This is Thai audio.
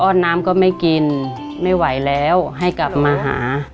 น้ำก็ไม่กินไม่ไหวแล้วให้กลับมาหา